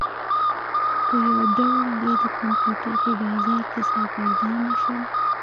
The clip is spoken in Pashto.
خو یو ډول دوی د کمپیوټر په بازار کې سرګردانه شول